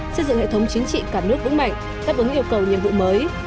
xây dựng hệ thống chính trị cả nước vững mạnh đáp ứng yêu cầu nhiệm vụ mới